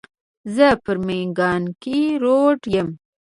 زه پر مېکانګي روډ یم.